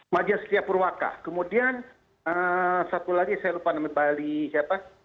majen setia purwaka kemudian satu lagi saya lupa namanya bali siapa